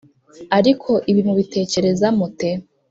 “Ariko ibi mubitekereza mute?